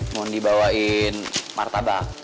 mohon dibawain martabak